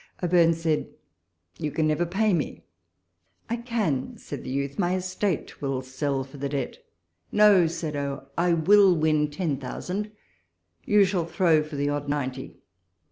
O'Birne said, "You can never pay me." '' I can," said the vouth ;" my estate will sell for the debt." " No," said O. ; "I will win ten thousand — you shall throw for the odd ninety."